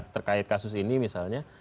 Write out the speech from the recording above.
terkait kasus ini misalnya